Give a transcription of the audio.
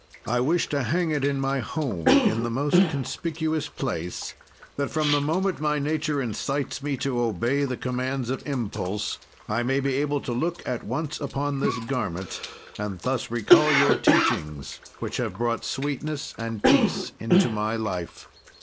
"'I wish to hang it in my home, in the most conspicuous place, that, from the moment my nature incites me to obey the commands of impulse, I may be able to look at once upon this garment, and thus recall your teachings, which have brought sweetness and peace into my life.'"